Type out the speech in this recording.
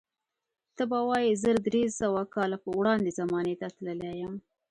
ته به وایې زر درې سوه کاله وړاندې زمانې ته تللی یم.